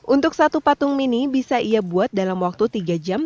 untuk satu patung mini bisa ia buat dalam waktu tiga jam